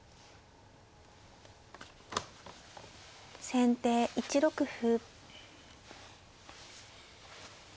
先手１六歩。